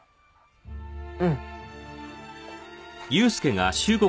うん。